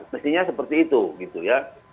mestinya seperti itu gitu ya